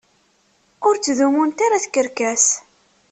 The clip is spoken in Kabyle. Ur ttdumunt ara tkerkas.